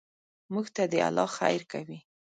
موږ ته دې الله خیر کوي.